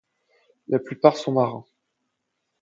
La plupart sont marins.